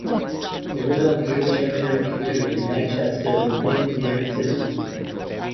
The original Jewish immigrant community in Manchester was based in the inner city.